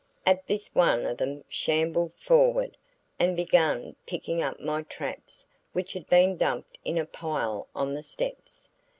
At this one of them shambled forward and began picking up my traps which had been dumped in a pile on the steps.